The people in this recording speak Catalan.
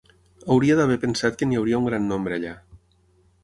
Hauria d'haver pensat que n'hi hauria un gran nombre allà.